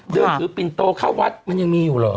เดินถือปินโตเข้าวัดมันยังมีอยู่เหรอ